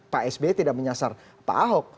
pak sby tidak menyasar pak ahok